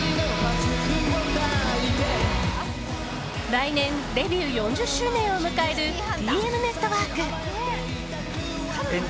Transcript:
来年デビュー４０周年を迎えるＴＭＮＥＴＷＯＲＫ。